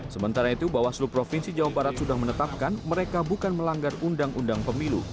sementara itu bawaslu provinsi jawa barat sudah menetapkan mereka bukan melanggar undang undang pemilu